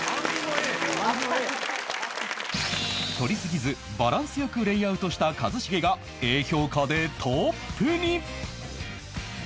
取りすぎずバランス良くレイアウトした一茂が Ａ 評価でトップに